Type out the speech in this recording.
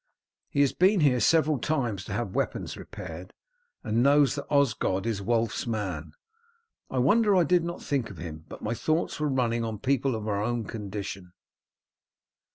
He has been here several times to have weapons repaired, and knows that Osgod is Wulf's man. I wonder I did not think of him, but my thoughts were running on people of our own condition."